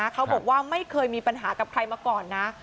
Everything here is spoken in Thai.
เขาบอกว่าไม่เคยมีปัญหากับใครมาก่อนนะ